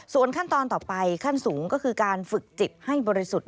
ส่วนขั้นตอนต่อไปขั้นสูงก็คือการฝึกจิตให้บริสุทธิ์